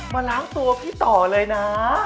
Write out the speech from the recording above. มาล้างตัวพี่ต่อเลยนะ